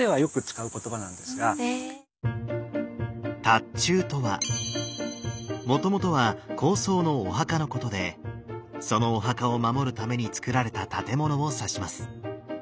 塔頭とは元々は高僧のお墓のことでそのお墓を守るために造られた建物を指します。